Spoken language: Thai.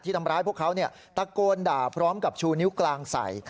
ทำร้ายพวกเขาตะโกนด่าพร้อมกับชูนิ้วกลางใส่